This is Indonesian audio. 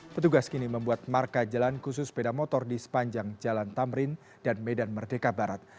petugas kini membuat marka jalan khusus sepeda motor di sepanjang jalan tamrin dan medan merdeka barat